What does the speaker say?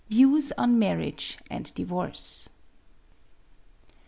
VIEWS ON MARRIAGE AND DIVORCE.